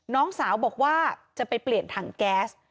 น้องสาวบอกว่าจะไปเปลี่ยนถังแก๊ส